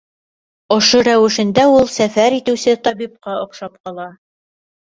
Ошо рәүешендә ул сәфәр итеүсе табипҡа оҡшап ҡала.